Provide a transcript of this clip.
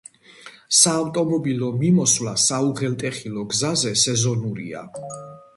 საავტომობილო მიმოსვლა საუღელტეხილო გზაზე სეზონურია.